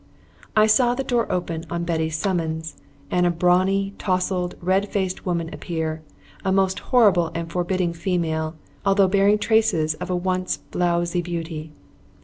I saw the door open on Betty's summons, and a brawny, tousled, red faced woman appear a most horrible and forbidding female, although bearing traces of a once blowsy beauty.